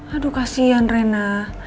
aduh kasihan rena